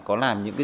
có làm những cái